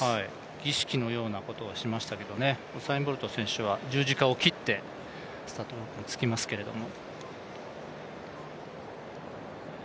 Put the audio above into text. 儀式のようなことをしましたけど、ウサイン・ボルト選手は十字架を切ってスタートに着きますけども。